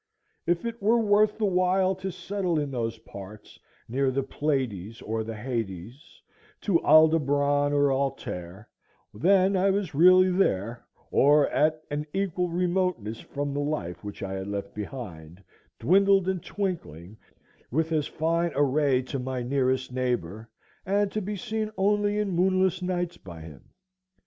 If it were worth the while to settle in those parts near to the Pleiades or the Hyades, to Aldebaran or Altair, then I was really there, or at an equal remoteness from the life which I had left behind, dwindled and twinkling with as fine a ray to my nearest neighbor, and to be seen only in moonless nights by him.